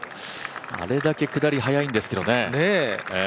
あれだけ下り速いんですけどね。